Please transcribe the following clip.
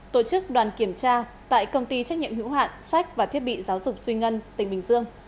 tổ chức đoàn kiểm tra tại công ty trách nhiệm hữu hạn sách và thiết bị giáo dục suy ngân tỉnh bình dương